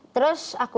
terus aku lesin drum